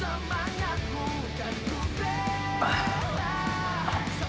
imin kamu kenapa pukul tante